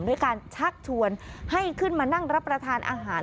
ด้วยการชักชวนให้ขึ้นมานั่งรับประทานอาหาร